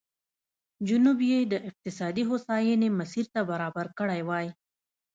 جنوب یې د اقتصادي هوساینې مسیر ته برابر کړی وای.